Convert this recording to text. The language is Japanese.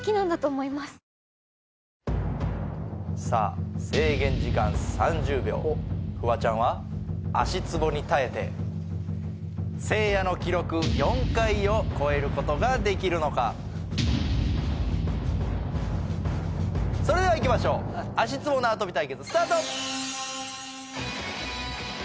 さあ制限時間３０秒フワちゃんは足つぼに耐えてせいやの記録４回を超えることができるのかそれではいきましょう足つぼ縄跳び対決スタート！